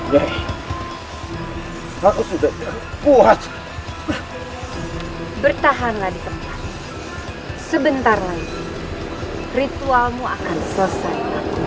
ya aku sudah puas bertahanlah di tempat sebentar lagi ritual mu akan selesai